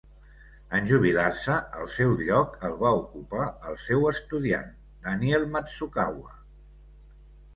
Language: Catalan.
En jubilar-se, el seu lloc el va ocupar el seu estudiant, Daniel Matsukawa.